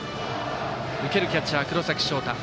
受けるキャッチャー、黒崎翔太。